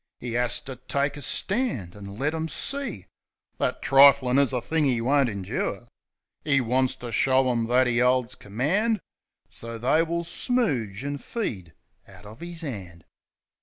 'E 'as to take a stand an' let 'em see That triflin' is a thing 'e won't indure. 'E wants to show 'em that 'e 'olds command, So they will smooge an' feed out of 'is 'and.